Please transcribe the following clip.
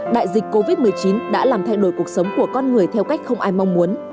đại dịch covid một mươi chín đã làm thay đổi cuộc sống của con người theo cách không ai mong muốn